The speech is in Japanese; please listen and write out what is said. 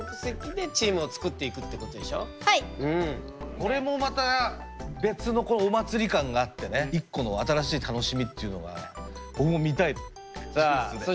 これもまた別のお祭り感があってね一個の新しい楽しみというのが僕も見たい。